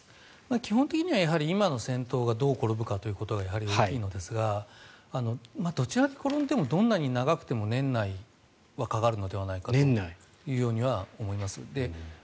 基本的には、今の戦闘がどう転ぶかということがやはり大きいのですがどちらに転んでもどんなに長くても年内はかかるのではないかというようには思います。